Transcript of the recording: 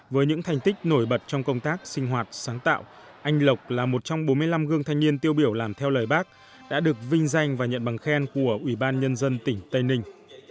với những thành tích nổi bật trong công tác sinh hoạt sáng tạo anh lộc là một trong bốn mươi năm gương thanh niên tiêu biểu làm theo lời bác đã được vinh danh và nhận bằng khen của ủy ban nhân dân tỉnh tây ninh